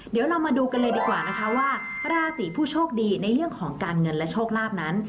เดี๋ยวเรามาดูกันเลยดีกว่านะคะว่าราศีผู้โชคดีในเรื่องของการเงินและโชคลาภนั้น